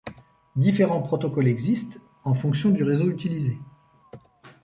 Différents protocoles existent, en fonction du réseau utilisé.